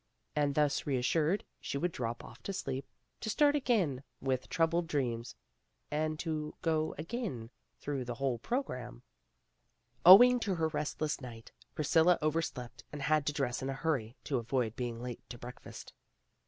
And thus reassured, she would drop off to sleep, to start again with troubled dreams, and to go again through the whole program. Owing to her restless night, Priscilla over slept and had to dress in a hurry to avoid being late to breakfast.